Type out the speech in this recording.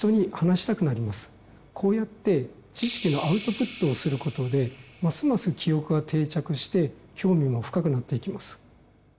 こうやって知識のアウトプットをすることでますます記憶が定着して興味も深くなっていきます。